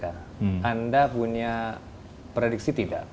anda punya prediksi tidak